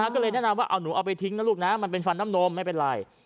ก็เลยแนะนำว่าเอาหนูเอาไปทิ้งนะลูกนะมันเป็นฟันน้ำนมไม่เป็นไร